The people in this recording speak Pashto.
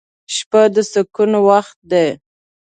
• شپه د سکون وخت دی.